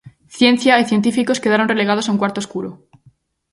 Ciencia e científicos quedaron relegados a un cuarto escuro.